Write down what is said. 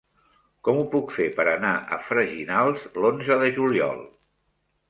Com ho puc fer per anar a Freginals l'onze de juliol?